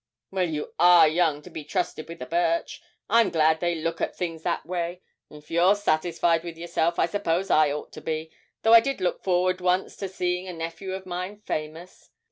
'Well, you are young to be trusted with a birch. I'm glad they look at things that way. If you're satisfied with yourself, I suppose I ought to be, though I did look forward once to seeing a nephew of mine famous.